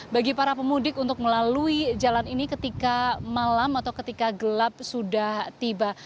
bagi para pemudik untuk melalui jalan ini ketika malam atau ketika gelap sudah tiba